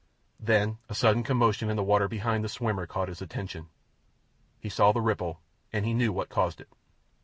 Then a sudden commotion in the water behind the swimmer caught his attention. He saw the ripple, and he knew what caused it.